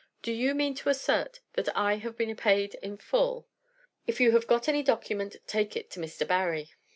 Do you mean to assert that I have been paid in full?" "If you have got any document, take it to Mr. Barry."